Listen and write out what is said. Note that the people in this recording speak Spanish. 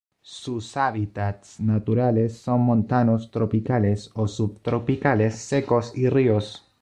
Sus hábitats naturales son montanos tropicales o subtropicales secos y ríos.